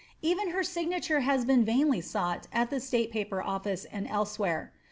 Even her signature has been vainly sought at the State Paper Office and elsewhere.